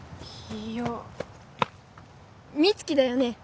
いや美月だよね？